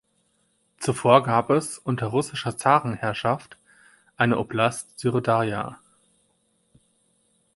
Zuvor gab es, unter russischer Zarenherrschaft, eine Oblast Syrdarja.